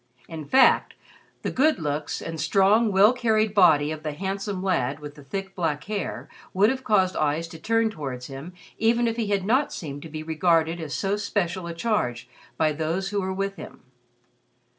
In fact, the good looks and strong, well carried body of the handsome lad with the thick black hair would have caused eyes to turn towards him even if he had not seemed to be regarded as so special a charge by those who were with him.